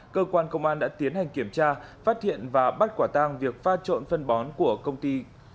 cơ quan công an đã tiến hành kiểm tra phát hiện và bắt quả tang việc pha trộn phân bón của công ty